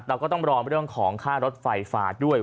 เราก็ต้องรอเรื่องของค่ารถไฟฟ้าด้วย